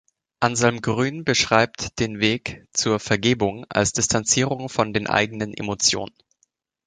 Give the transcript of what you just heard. Anselm Grün beschreibt den Weg zur Vergebung als Distanzierung von den eigenen Emotionen.